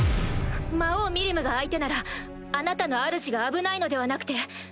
魔王ミリムが相手ならあなたのあるじが危ないのではなくて？